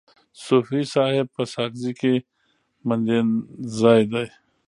صوفي صاحب په ساکزی کي مندینزای دی.